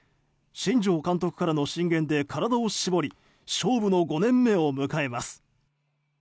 新庄監督からの進言で体を絞り勝負の５年目を迎えます。